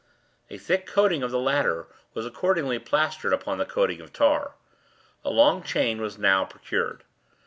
A thick coating of the latter was accordingly plastered upon the coating of tar. A long chain was now procured.